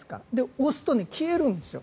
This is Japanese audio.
押すと、消えるんですよ。